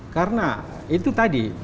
karena itu tadi